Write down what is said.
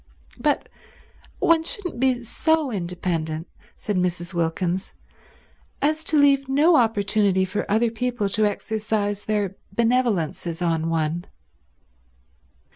"But one shouldn't be so independent," said Mrs. Wilkins, "as to leave no opportunity for other people to exercise their benevolences on one."